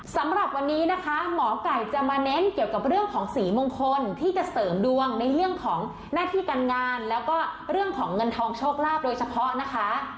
สำหรับวันนี้นะคะหมอไก่จะมาเน้นเกี่ยวกับเรื่องของสีมงคลที่จะเสริมดวงในเรื่องของหน้าที่การงานแล้วก็เรื่องของเงินทองโชคลาภโดยเฉพาะนะคะ